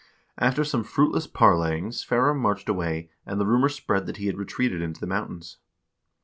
After some fruitless parleying Sverre marched away, and the rumor spread that he had retreated into the mountains.